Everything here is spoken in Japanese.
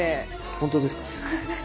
本当ですか？